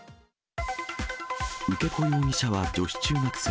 受け子容疑者は女子中学生。